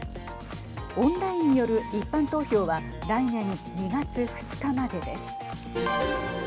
オンラインによる一般投票は来年２月２日までです。